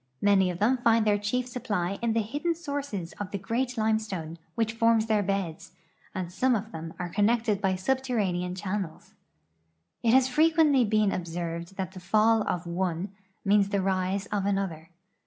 INlany of them find their chief su})ply in the hidden sources of the great limestone which forms their beds, and some of them are con nected by subterranean channels. It has frequently been ob served that the fall of one means the rise of another.